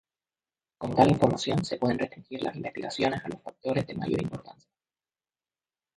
Can tal información se pueden restringir las investigaciones a los factores de mayor importancia.